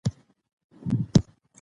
موږ پښتو ته په ډیجیټل ډګر کې کار کوو.